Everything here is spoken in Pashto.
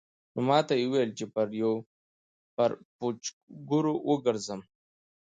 نو ماته يې وويل چې پر پوجيگرو وگرځم.